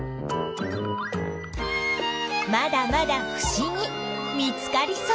まだまだふしぎ見つかりそう。